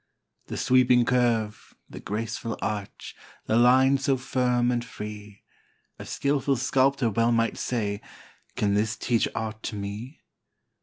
The sweeping curve, the graceful arch, The line so firm and free; A skilful sculptor well might say: "Can this teach aught to me?"